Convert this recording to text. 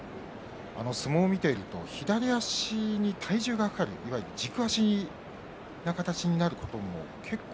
相撲を見ていると左足に体重がかかるいわゆる軸足の形になることも結構。